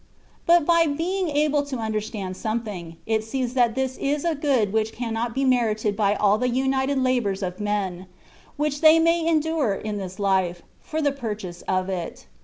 but by being able to understand something, it sees that this is a good which cannot be merited by all the united labours of men, which they may endure in this life, for the purchase of it.